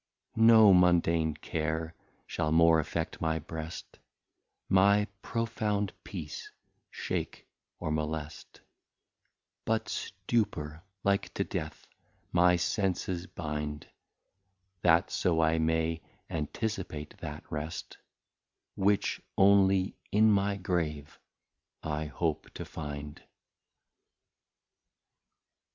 No Mundan Care shall more affect my Breast, My profound Peace shake or molest: But Stupor, like to Death, my Senses bind, That so I may anticipate that Rest, Which only in my Grave I hope to find.